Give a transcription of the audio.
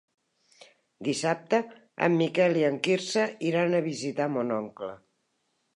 Dissabte en Miquel i en Quirze iran a visitar mon oncle.